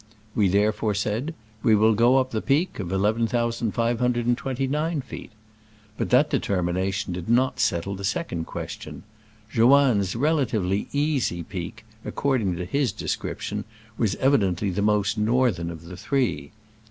We therefore said, '*We will go up the peak of 11,529 feet." But that deter mination did not settle the second ques tion. Joanne's "relatively easy" peak, according to his description, was evi dently the most northern of the three.